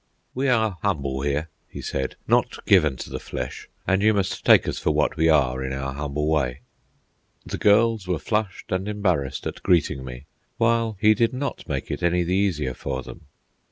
"We are humble here," he said, "not given to the flesh, and you must take us for what we are, in our humble way." The girls were flushed and embarrassed at greeting me, while he did not make it any the easier for them.